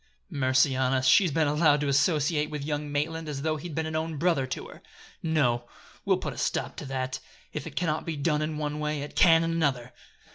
Mercy on us! she's been allowed to associate with young Maitland as though he'd been an own brother to her! No! we'll put a stop to that. If it can not be done in one way, it can in another!"